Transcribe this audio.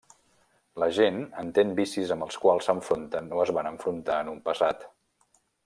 La gent entén vicis amb els quals s'enfronten o es van enfrontar en un passat.